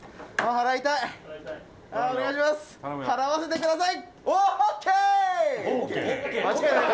払わせてください！